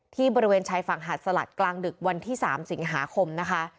บริเวณชายฝั่งหาดสลัดกลางดึกวันที่๓สิงหาคมนะคะ